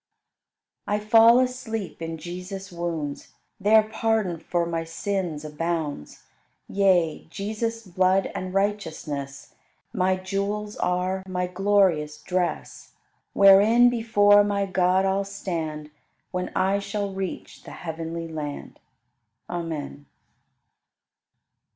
34. I fall asleep in Jesus' wounds, There pardon for my sins abounds; Yea, Jesus' blood and righteousness My jewels are, my glorious dress, Wherein before my God I'll stand When I shall reach the heavenly land. Amen.